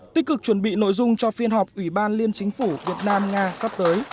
tích cực chuẩn bị nội dung cho phiên họp ủy ban liên chính phủ việt nam nga sắp tới